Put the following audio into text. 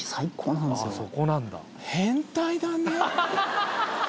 変態だね